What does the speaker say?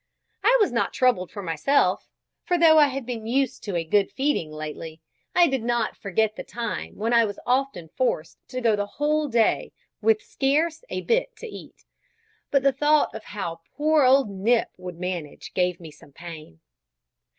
I was not troubled for myself; for, though I had been used to good feeding lately, I did not forget the time when I was often forced to go the whole day with scarce a bit to eat; but the thought of how poor old Nip would manage gave me some pain.